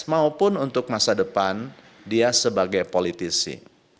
maupun untuk masa depan dia sebagai politisi